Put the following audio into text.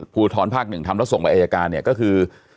ภูทรภาค๑ทำแล้วส่งไปอายการเนี่ยก็คือ